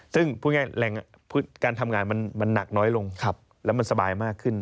ซึ่งพูดง่ายการทำงานมันหนักน้อยลงแล้วมันสบายมากขึ้น